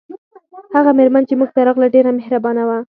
هغه میرمن چې موږ ته راغله ډیره مهربانه وه